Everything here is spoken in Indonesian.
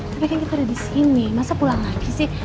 tapi kan kita udah disini masa pulang lagi sih